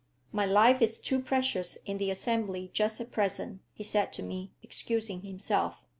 "My life is too precious in the Assembly just at present," he said to me, excusing himself.